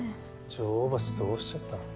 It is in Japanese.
女王蜂どうしちゃったの？